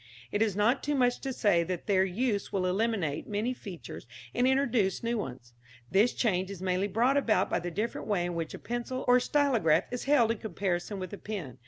It is not too much to say that their use will eliminate many features and introduce new ones. This change is mainly brought about by the different way in which a pencil or stylograph is held in comparison with a pen.